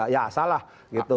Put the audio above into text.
ya salah gitu